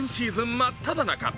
真っただ中。